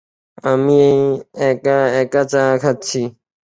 আমি একা একা চা খাচ্ছি।